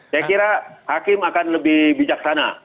saya kira hakim akan lebih bijaksana